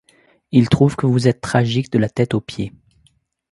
Il trouve que vous êtes tragique de la tête aux pieds.